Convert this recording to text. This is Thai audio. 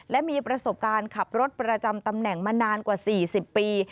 และมีประสบการณ์ขับรถประจำตำแหน่งมานานกว่า๔๐ปี